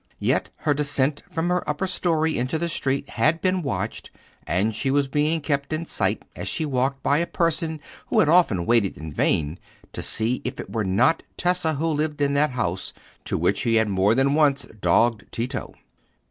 Yet her descent from her upper storey into the street had been watched, and she was being kept in sight as she walked by a person who had often waited in vain to see if it were not Tessa who lived in that house to which he had more than once dogged Tito.